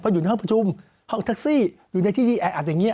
พออยู่ในท่องถุงทรักซี่อยู่ในที่ที่แอ๊ดอาจจะเงี้ย